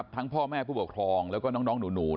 พ่อแม่ผู้ปกครองแล้วก็น้องหนู